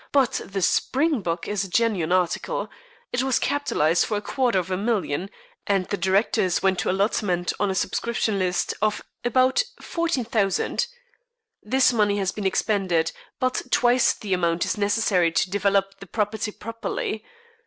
But the Springbok is a genuine article. It was capitalized for a quarter of a million, and the directors went to allotment on a subscription list of about £14,000. This money has been expended, but twice the amount is necessary to develop the property properly.